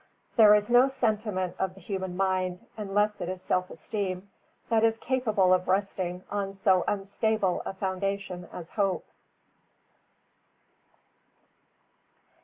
There is no sentiment of the human mind, unless it is self esteem, that is capable of resting on so unstable a foundation as hope.